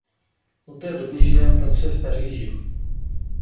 Od té doby žije a pracuje v Paříži.